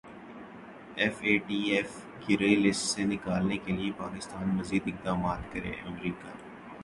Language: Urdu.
F A T F grey list سے نکلنے کیلئے پاکستان مزید اقدامات کرے امریکا